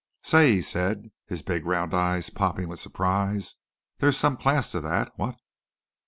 "Say!" he said his big round eyes popping with surprise. "There's some class to that, what?